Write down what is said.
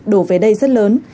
đổ về đây rất lớn